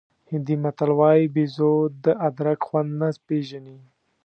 هندي متل وایي بېزو د ادرک خوند نه پېژني.